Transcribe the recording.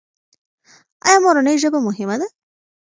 ایا مورنۍ ژبه مهمه ده؟